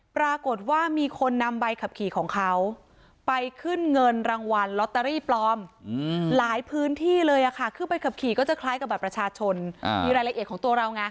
ปรากฏว่ามีคนนำใบขับขี่ของเขาไปขึ้นเงินรางวัลลอตเตอรี่ปลอมหลายพื้นที่เลยค่ะคือใบขับขี่ก็จะคล้ายกับบัตรประชาชนมีรายละเอียดของตัวเราไง